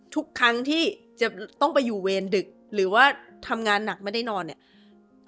ทุกครั้งที่จะต้องไปอยู่เวรดึกหรือว่าทำงานหนักไม่ได้นอนเนี่ย